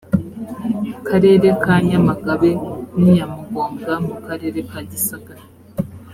karere ka nyamagabe n iya mugombwa mu karere ka gisagara